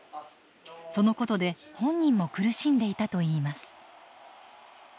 そのことで本人も苦しんでいたといいます。